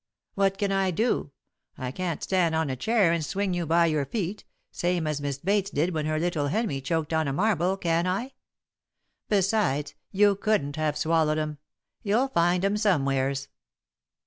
"What can I do? I can't stand on a chair and swing you by your feet, same as Mis' Bates did when her little Henry choked on a marble, can I? Besides, you couldn't have swallowed 'em. You'll find 'em somewheres."